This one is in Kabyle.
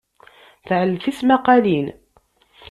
Tɛell tismaqalin.